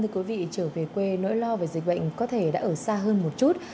thưa quý vị trở về quê nỗi lo về dịch bệnh có thể đã ở xa hơn một chút